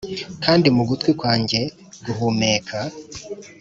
kandi mu gutwi kwanjye guhumeka,